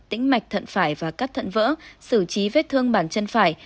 tĩnh mạch thận phải và cắt thận vỡ xử trí vết thương bản chân phải